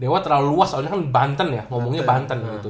dewa terlalu luas soalnya kan banten ya ngomongnya banten gitu